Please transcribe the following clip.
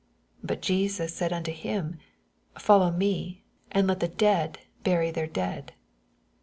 22 But Jesus said unto him, Follow me ; and let the dead bury their dead.